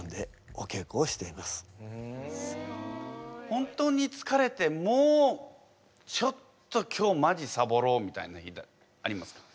本当につかれてもうちょっと今日まじサボろうみたいな日ってありますか？